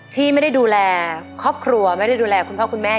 ที่ไม่ได้ดูแลครอบครัวไม่ได้ดูแลคุณพ่อคุณแม่